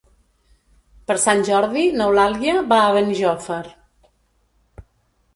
Per Sant Jordi n'Eulàlia va a Benijòfar.